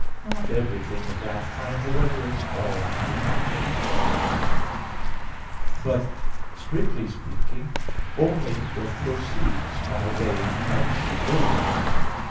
Not everything of that kind, however, is called begotten; but, strictly speaking, only what proceeds by way of similitude.